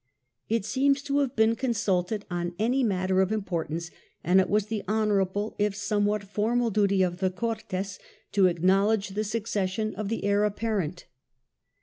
It seems to have been consulted on an}^ matter of importance and it was the honourable, if somewhat formal duty of the Cortes, to acknowledge the succession of the heir apparent.